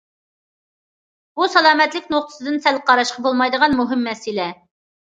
بۇ سالامەتلىك نۇقتىسىدىن سەل قاراشقا بولمايدىغان مۇھىم مەسىلە.